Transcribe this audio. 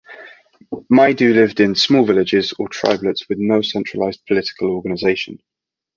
Maidu lived in small villages or tribelets with no centralized political organization.